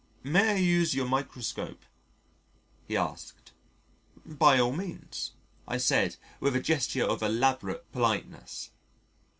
"May I use your microscope?" he asked. "By all means," I said with a gesture of elaborate politeness.